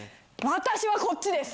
私はこっちです。